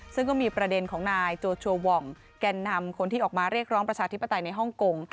ซึ่งก็มีประเด็นของนายโจชัวว่องแก่นนำคนที่ออกมาเรียกร้องประชาธิปไตยในฮ่องกง